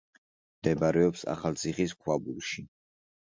მდებარეობს ახალციხის ქვაბულში.